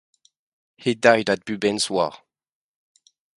He died at Bhubaneswar.